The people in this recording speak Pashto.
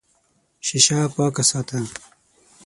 شیشه پاکه ساته.